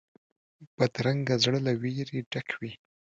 بدرنګه زړه له وېرې ډک وي